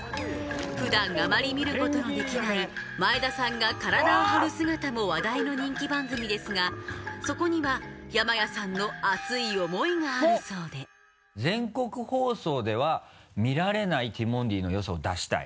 普段あまり見ることのできない前田さんが体を張る姿も話題の人気番組ですがそこには山谷さんの熱い思いがあるそうで全国放送では見られないティモンディの良さを出したい。